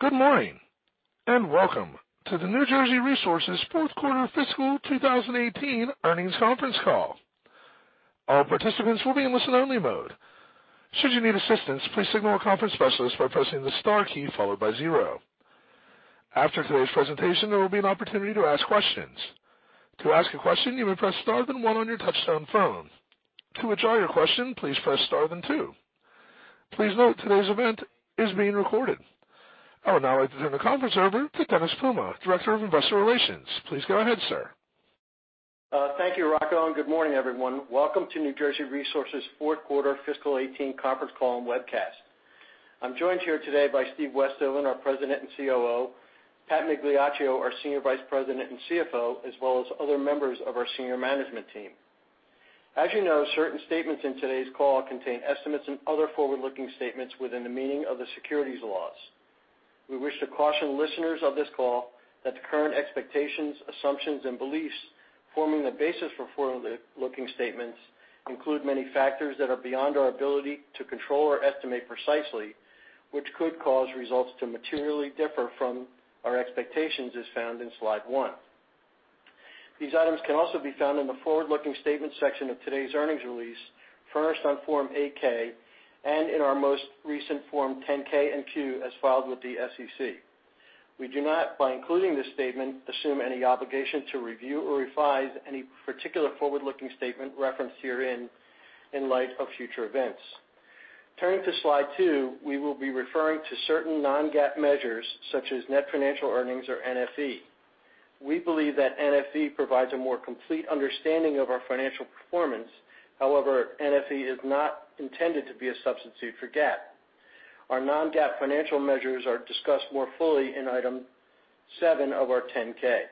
Good morning, and welcome to the New Jersey Resources fourth quarter fiscal 2018 earnings conference call. All participants will be in listen-only mode. Should you need assistance, please signal a conference specialist by pressing the star key followed by zero. After today's presentation, there will be an opportunity to ask questions. To ask a question, you may press star, then one on your touch-tone phone. To withdraw your question, please press star, then two. Please note today's event is being recorded. I would now like to turn the conference over to Dennis Puma, Director of Investor Relations. Please go ahead, sir. Thank you, Rocco, and good morning, everyone. Welcome to New Jersey Resources' fourth quarter fiscal 2018 conference call and webcast. I'm joined here today by Steve Westhoven, our President and COO, Pat Migliaccio, our Senior Vice President and CFO, as well as other members of our senior management team. As you know, certain statements in today's call contain estimates and other forward-looking statements within the meaning of the securities laws. We wish to caution listeners of this call that the current expectations, assumptions, and beliefs forming the basis for forward-looking statements include many factors that are beyond our ability to control or estimate precisely, which could cause results to materially differ from our expectations, as found in slide one. These items can also be found in the forward-looking statements section of today's earnings release, furnished on Form 8-K, and in our most recent Form 10-K and Q as filed with the SEC. We do not, by including this statement, assume any obligation to review or revise any particular forward-looking statement referenced herein in light of future events. Turning to Slide two, we will be referring to certain non-GAAP measures such as net financial earnings or NFE. We believe that NFE provides a more complete understanding of our financial performance. However, NFE is not intended to be a substitute for GAAP. Our non-GAAP financial measures are discussed more fully in Item seven of our 10-K.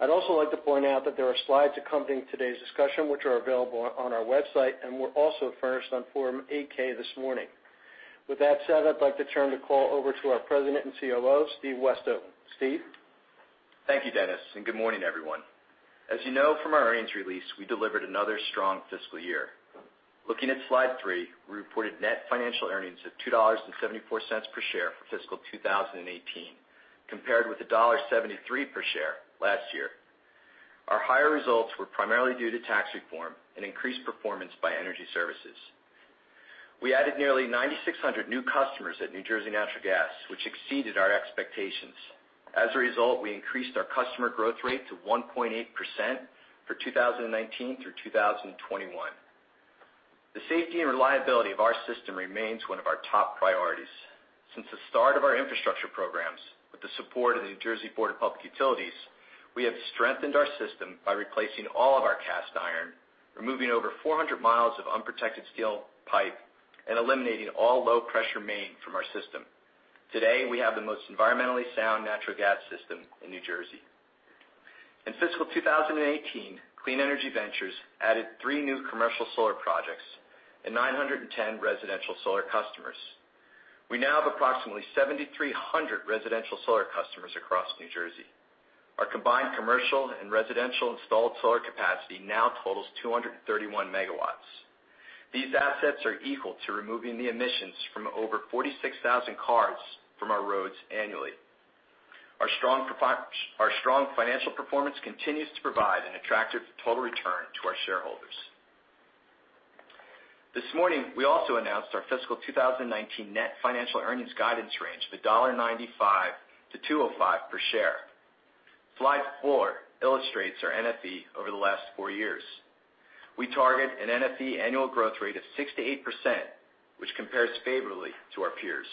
I'd also like to point out that there are slides accompanying today's discussion, which are available on our website and were also furnished on Form 8-K this morning. With that said, I'd like to turn the call over to our President and COO, Steve Westhoven. Steve? Thank you, Dennis, and good morning, everyone. As you know from our earnings release, we delivered another strong fiscal year. Looking at slide three, we reported net financial earnings of $2.74 per share for fiscal 2018, compared with $1.73 per share last year. Our higher results were primarily due to tax reform and increased performance by energy services. We added nearly 9,600 new customers at New Jersey Natural Gas, which exceeded our expectations. As a result, we increased our customer growth rate to 1.8% for 2019 through 2021. The safety and reliability of our system remains one of our top priorities. Since the start of our infrastructure programs, with the support of the New Jersey Board of Public Utilities, we have strengthened our system by replacing all of our cast iron, removing over 400 mi of unprotected steel pipe, and eliminating all low-pressure main from our system. Today, we have the most environmentally sound natural gas system in New Jersey. In fiscal 2018, Clean Energy Ventures added three new commercial solar projects and 910 residential solar customers. We now have approximately 7,300 residential solar customers across New Jersey. Our combined commercial and residential installed solar capacity now totals 231 MW. These assets are equal to removing the emissions from over 46,000 cars from our roads annually. Our strong financial performance continues to provide an attractive total return to our shareholders. This morning, we also announced our fiscal 2019 net financial earnings guidance range of $1.95-$2.05 per share. Slide four illustrates our NFE over the last four years. We target an NFE annual growth rate of 6%-8%, which compares favorably to our peers.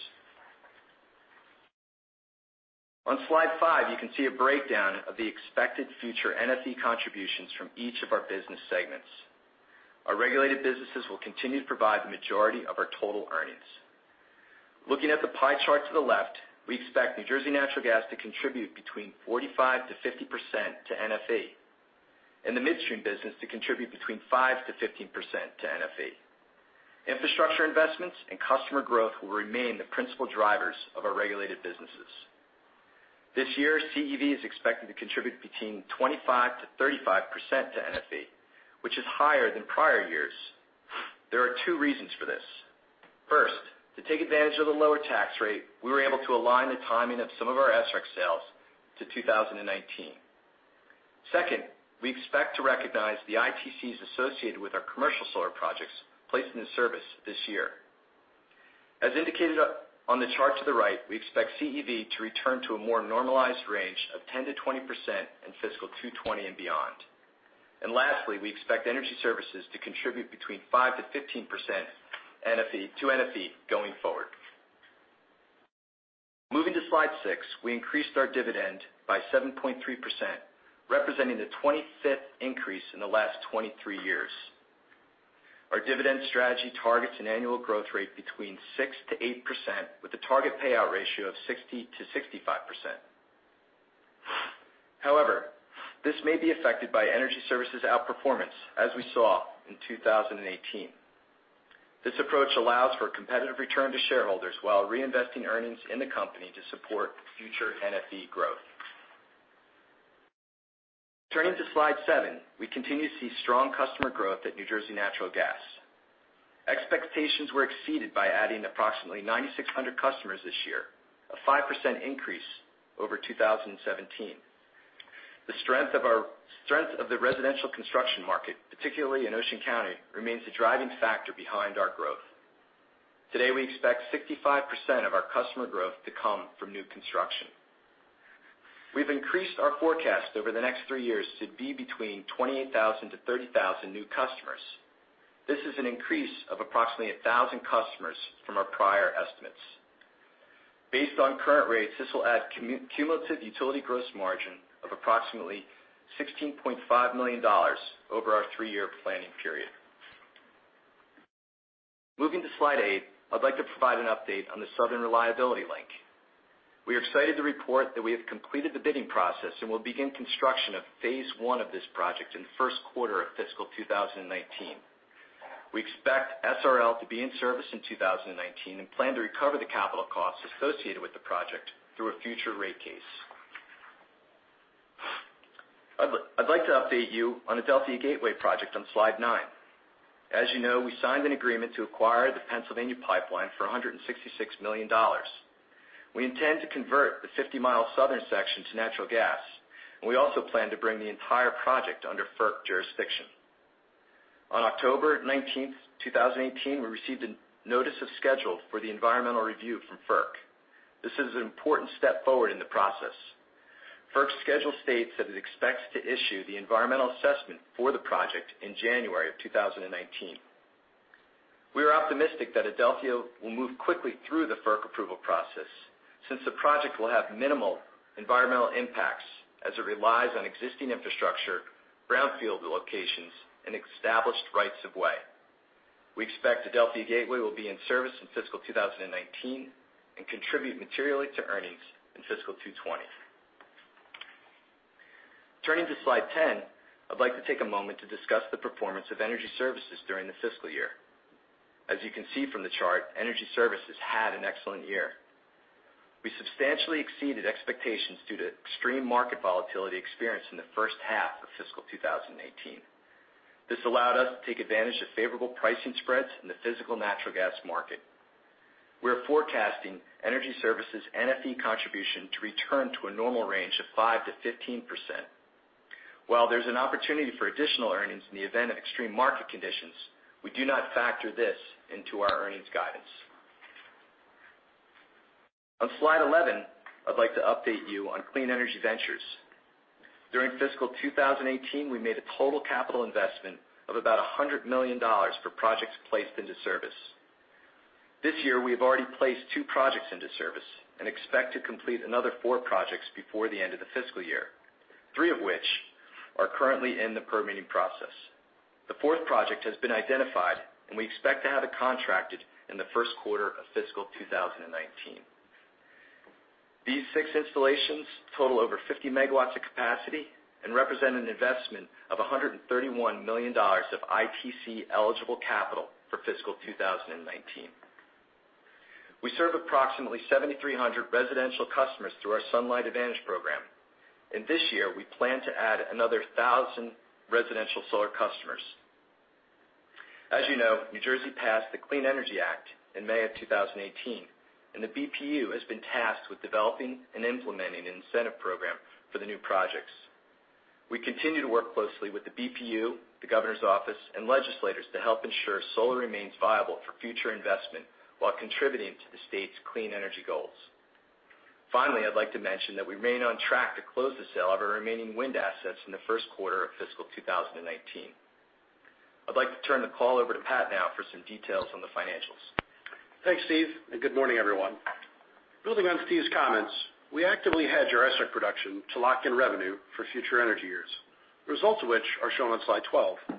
On slide five, you can see a breakdown of the expected future NFE contributions from each of our business segments. Our regulated businesses will continue to provide the majority of our total earnings. Looking at the pie chart to the left, we expect New Jersey Natural Gas to contribute between 45%-50% to NFE, and the midstream business to contribute between 5%-15% to NFE. Infrastructure investments and customer growth will remain the principal drivers of our regulated businesses. This year, CEV is expected to contribute between 25%-35% to NFE, which is higher than prior years. There are two reasons for this. First, to take advantage of the lower tax rate, we were able to align the timing of some of our SREC sales to 2019. Second, we expect to recognize the ITCs associated with our commercial solar projects placed in the service this year. As indicated on the chart to the right, we expect CEV to return to a more normalized range of 10%-20% in fiscal 2020 and beyond. Lastly, we expect energy services to contribute between 5%-15% to NFE going forward. Moving to slide six, we increased our dividend by 7.3%, representing the 25th increase in the last 23 years. Our dividend strategy targets an annual growth rate between 6%-8% with a target payout ratio of 60%-65%. However, this may be affected by energy services outperformance, as we saw in 2018. This approach allows for a competitive return to shareholders while reinvesting earnings in the company to support future NFE growth. Turning to slide seven, we continue to see strong customer growth at New Jersey Natural Gas. Expectations were exceeded by adding approximately 9,600 customers this year, a 5% increase over 2017. The strength of the residential construction market, particularly in Ocean County, remains the driving factor behind our growth. Today, we expect 65% of our customer growth to come from new construction. We've increased our forecast over the next three years to be between 28,000-30,000 new customers. This is an increase of approximately 1,000 customers from our prior estimates. Based on current rates, this will add cumulative utility gross margin of approximately $16.5 million over our three-year planning period. Moving to slide eight, I'd like to provide an update on the Southern Reliability Link. We are excited to report that we have completed the bidding process, and will begin construction of phase I of this project in the first quarter of fiscal 2019. We expect SRL to be in service in 2019, and plan to recover the capital costs associated with the project through a future rate case. I'd like to update you on the Adelphia Gateway project on slide nine. As you know, we signed an agreement to acquire the Pennsylvania pipeline for $166 million. We intend to convert the 50-mi southern section to natural gas, and we also plan to bring the entire project under FERC jurisdiction. On October 19th, 2018, we received a notice of schedule for the environmental review from FERC. This is an important step forward in the process. FERC's schedule states that it expects to issue the environmental assessment for the project in January of 2019. We are optimistic that Adelphia will move quickly through the FERC approval process, since the project will have minimal environmental impacts as it relies on existing infrastructure, brownfield locations, and established rights of way. We expect Adelphia Gateway will be in service in fiscal 2019, and contribute materially to earnings in fiscal 2020. Turning to slide 10, I'd like to take a moment to discuss the performance of Energy Services during the fiscal year. As you can see from the chart, Energy Services had an excellent year. We substantially exceeded expectations due to extreme market volatility experienced in the first half of fiscal 2018. This allowed us to take advantage of favorable pricing spreads in the physical natural gas market. We are forecasting Energy Services NFE contribution to return to a normal range of 5%-15%. While there's an opportunity for additional earnings in the event of extreme market conditions, we do not factor this into our earnings guidance. On slide 11, I'd like to update you on Clean Energy Ventures. During fiscal 2018, we made a total capital investment of about $100 million for projects placed into service. This year, we have already placed two projects into service, and expect to complete another four projects before the end of the fiscal year, three of which are currently in the permitting process. The fourth project has been identified, and we expect to have it contracted in the first quarter of fiscal 2019. These six installations total over 50 MW of capacity and represent an investment of $131 million of ITC-eligible capital for fiscal 2019. We serve approximately 7,300 residential customers through our Sunlight Advantage program. This year, we plan to add another 1,000 residential solar customers. As you know, New Jersey passed the Clean Energy Act in May of 2018, and the BPU has been tasked with developing and implementing an incentive program for the new projects. We continue to work closely with the BPU, the governor's office, and legislators to help ensure solar remains viable for future investment while contributing to the state's clean energy goals. I'd like to mention that we remain on track to close the sale of our remaining wind assets in the first quarter of fiscal 2019. I'd like to turn the call over to Pat now for some details on the financials. Thanks, Steve, good morning, everyone. Building on Steve's comments, we actively hedge our SREC production to lock in revenue for future energy years, the results of which are shown on slide 12.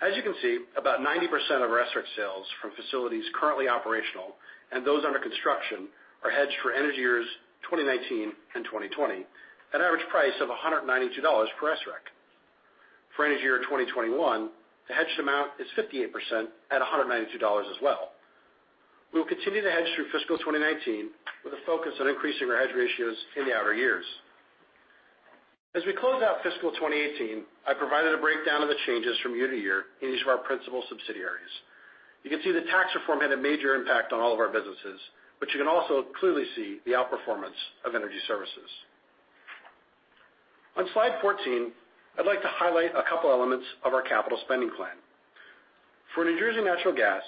As you can see, about 90% of our SREC sales from facilities currently operational and those under construction are hedged for energy years 2019 and 2020 at an average price of $192 per SREC. For energy year 2021, the hedged amount is 58% at $192 as well. We will continue to hedge through fiscal 2019 with a focus on increasing our hedge ratios in the outer years. As we close out fiscal 2018, I provided a breakdown of the changes from year to year in each of our principal subsidiaries. You can see that tax reform had a major impact on all of our businesses, but you can also clearly see the outperformance of Energy Services. On slide 14, I'd like to highlight a couple elements of our capital spending plan. For New Jersey Natural Gas,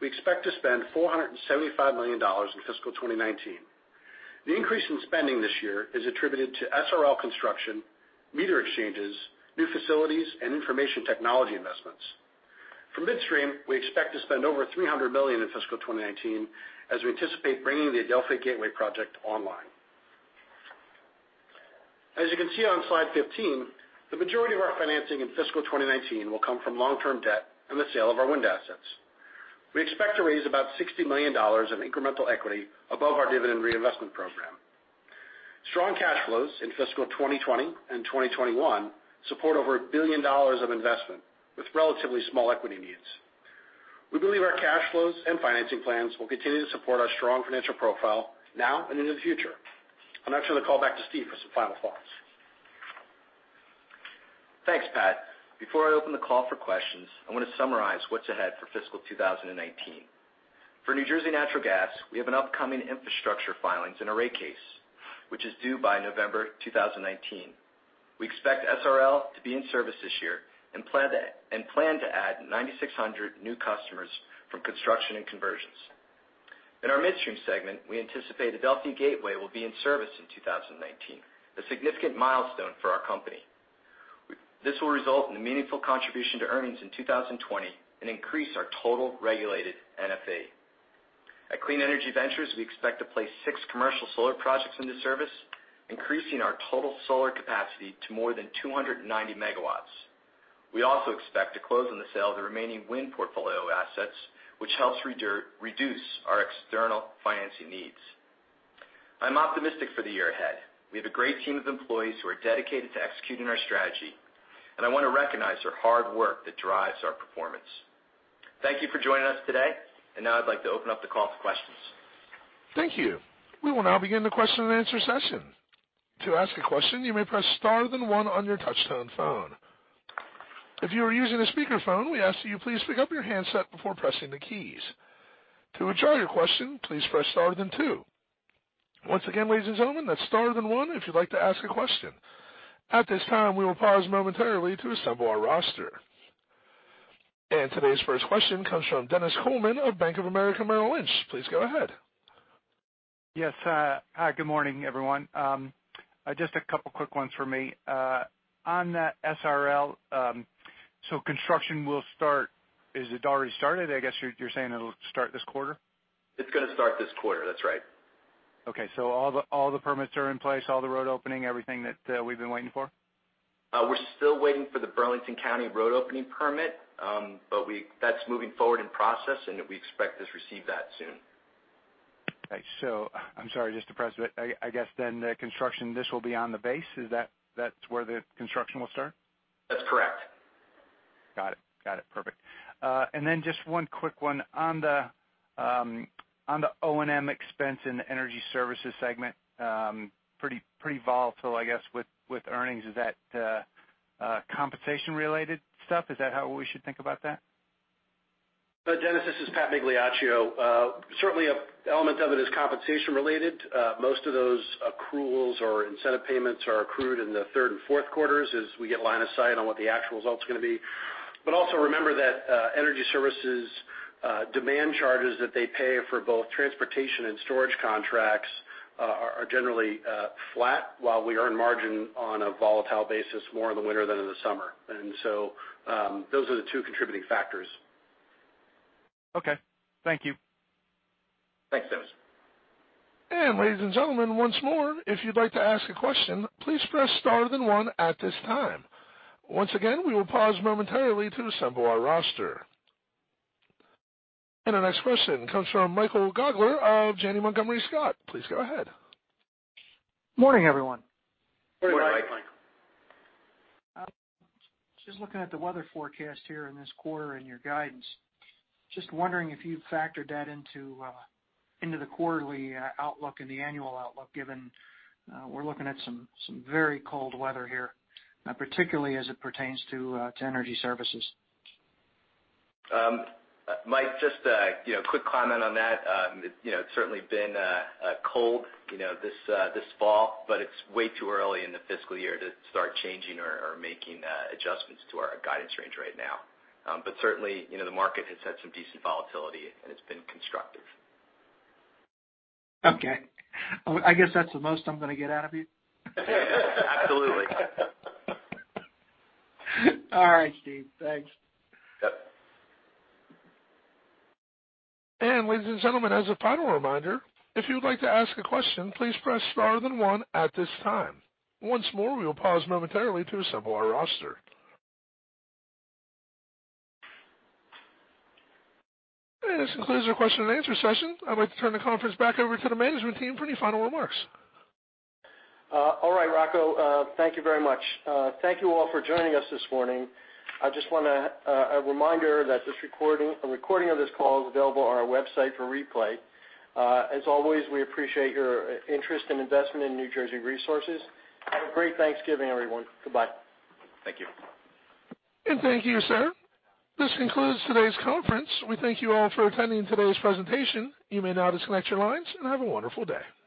we expect to spend $475 million in fiscal 2019. The increase in spending this year is attributed to SRL construction, meter exchanges, new facilities, and information technology investments. For midstream, we expect to spend over $300 million in fiscal 2019 as we anticipate bringing the Adelphia Gateway project online. As you can see on slide 15, the majority of our financing in fiscal 2019 will come from long-term debt and the sale of our wind assets. We expect to raise about $60 million in incremental equity above our dividend reinvestment program. Strong cash flows in fiscal 2020 and 2021 support over $1 billion of investment with relatively small equity needs. We believe our cash flows and financing plans will continue to support our strong financial profile now and into the future. I'll now turn the call back to Steve for some final thoughts. Thanks, Pat. Before I open the call for questions, I want to summarize what's ahead for fiscal 2019. For New Jersey Natural Gas, we have an upcoming infrastructure filings and a rate case, which is due by November 2019. We expect SRL to be in service this year and plan to add 9,600 new customers from construction and conversions. In our midstream segment, we anticipate Adelphia Gateway will be in service in 2019, a significant milestone for our company. This will result in a meaningful contribution to earnings in 2020 and increase our total regulated NFE. At Clean Energy Ventures, we expect to place six commercial solar projects into service, increasing our total solar capacity to more than 290 MW. We also expect to close on the sale of the remaining wind portfolio assets, which helps reduce our external financing needs. I'm optimistic for the year ahead. We have a great team of employees who are dedicated to executing our strategy. I want to recognize their hard work that drives our performance. Thank you for joining us today. Now I'd like to open up the call for questions. Thank you. We will now begin the question and answer session. To ask a question, you may press star then one on your touch-tone phone. If you are using a speakerphone, we ask that you please pick up your handset before pressing the keys. To withdraw your question, please press star then two. Once again, ladies and gentlemen, that's star then one if you'd like to ask a question. At this time, we will pause momentarily to assemble our roster. Today's first question comes from Dennis Coleman of Bank of America Merrill Lynch. Please go ahead. Yes. Hi, good morning, everyone. Just a couple quick ones from me. On that SRL, is it already started? I guess you're saying it'll start this quarter. It's going to start this quarter. That's right. Okay. All the permits are in place, all the road opening, everything that we've been waiting for? We're still waiting for the Burlington County road opening permit. That's moving forward in process. We expect to receive that soon. Okay. I'm sorry, just to press a bit, I guess the construction, this will be on the base. Is that where the construction will start? That's correct. Got it. Perfect. Then just one quick one on the O&M expense in the energy services segment. Pretty volatile, I guess, with earnings. Is that compensation-related stuff? Is that how we should think about that? Dennis, this is Pat Migliaccio. Certainly, an element of it is compensation-related. Most of those accruals or incentive payments are accrued in the third and fourth quarters as we get line of sight on what the actual result's going to be. Also remember that energy services demand charges that they pay for both transportation and storage contracts are generally flat while we earn margin on a volatile basis more in the winter than in the summer. Those are the two contributing factors. Okay. Thank you. Thanks, Dennis. Ladies and gentlemen, once more, if you'd like to ask a question, please press star then one at this time. Once again, we will pause momentarily to assemble our roster. Our next question comes from Michael Guggler of Janney Montgomery Scott. Please go ahead. Morning, everyone. Morning, Mike. Morning, Michael. Just looking at the weather forecast here in this quarter and your guidance, just wondering if you've factored that into the quarterly outlook and the annual outlook, given we're looking at some very cold weather here, particularly as it pertains to energy services. Mike, just a quick comment on that. It's certainly been cold this fall, it's way too early in the fiscal year to start changing or making adjustments to our guidance range right now. Certainly, the market has had some decent volatility and it's been constructive. Okay. I guess that's the most I'm going to get out of you. Absolutely. All right, Steve. Thanks. Yep. Ladies and gentlemen, as a final reminder, if you would like to ask a question, please press star then one at this time. Once more, we will pause momentarily to assemble our roster. This concludes our question and answer session. I'd like to turn the conference back over to the management team for any final remarks. All right, Rocco. Thank you very much. Thank you all for joining us this morning. I just want a reminder that a recording of this call is available on our website for replay. As always, we appreciate your interest and investment in New Jersey Resources. Have a great Thanksgiving, everyone. Goodbye. Thank you. Thank you, sir. This concludes today's conference. We thank you all for attending today's presentation. You may now disconnect your lines, and have a wonderful day.